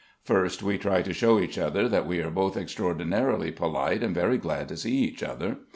First we try to show each other that we are both extraordinarily polite and very glad to see each other.